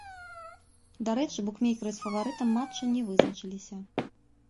Дарэчы, букмекеры з фаварытам матча не вызначыліся.